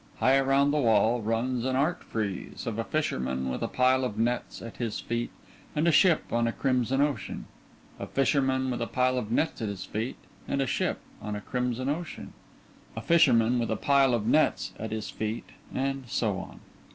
High around the wall runs an art frieze of a fisherman with a pile of nets at his feet and a ship on a crimson ocean, a fisherman with a pile of nets at his feet and a ship on a crimson ocean, a fisherman with a pile of nets at his feet and so on.